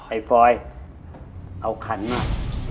ไอ้ฟอยเอาขันมา